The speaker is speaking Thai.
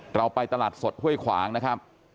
เราไปตลาดสดห้วยขวางนะครับ